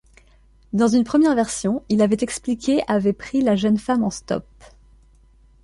Dans une première version il avait expliqué avait pris la jeune femme en stop.